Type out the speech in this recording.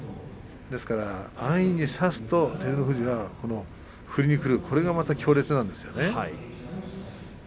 安易に差すと照ノ富士が振りにくるこれがまた強烈なんですよね。